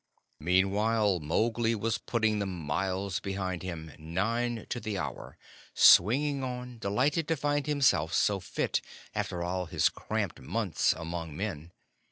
Meantime, Mowgli was putting the miles behind him, nine to the hour, swinging on, delighted to find himself so fit after all his cramped months among men.